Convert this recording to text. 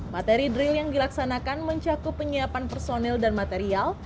materi drill yang dilaksanakan mencakup penyiapan personil dan material